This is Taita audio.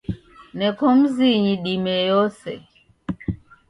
Neko mzinyi dime yose.